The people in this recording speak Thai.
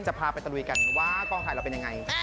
จะพาไปตะลุยกันว่ากองไทยเราเป็นอย่างไร